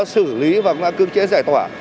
xử lý và cũng là cưỡng chế giải tỏa